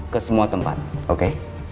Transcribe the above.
ke semua tempat oke